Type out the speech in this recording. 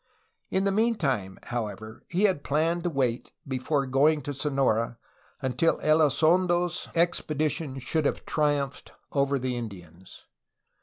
In the meantime, however, he had planned to wait before going to Sonora until Elizondo's expedition should have triumphed over the Indians.